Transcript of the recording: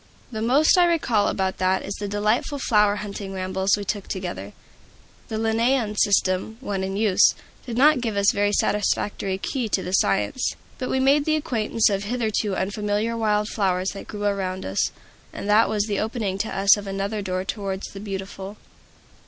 The most I recall about that is the delightful flower hunting rambles we took together. The Linnaean system, then in use, did not give us a very satisfactory key to the science. But we made the acquaintance of hitherto unfamiliar wild flowers that grew around us, and that was the opening to us of another door towards the Beautiful.